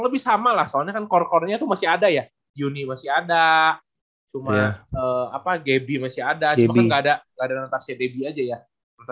bisa sih harusnya ya